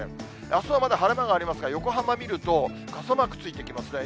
あすはまだ晴れ間がありますが、横浜見ると、傘マークついてきますね。